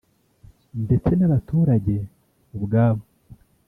ndetse n’abaturage ubwabo